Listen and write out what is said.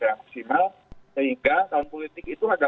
sehingga tahun politik itu adalah tahun pembukti ya